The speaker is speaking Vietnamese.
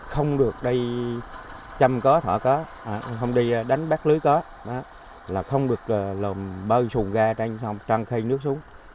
không được đi chăm có thở có không đi đánh bác lưới có là không được bơi sùn ga trên trong trăng khay nước xuống